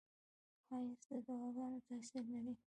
ښایست د دعاوو تاثیر لري